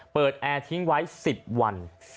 แอร์ทิ้งไว้๑๐วัน